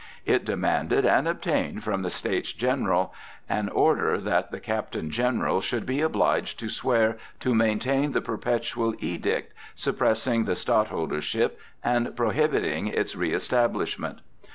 It demanded and obtained from the States General an order that the Captain General should be obliged to swear to maintain the Perpetual Edict suppressing the stadtholdership and prohibiting its reëstablishment.